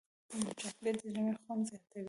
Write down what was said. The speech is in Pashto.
چاکلېټ د ژمي خوند زیاتوي.